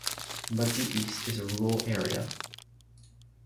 Mudzi East is a rural area.